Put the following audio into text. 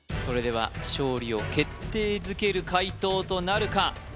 それでは勝利を決定づける解答となるか？